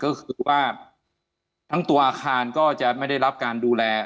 ก็คือว่าทั้งตัวอาคารก็จะไม่ได้รับการดูแล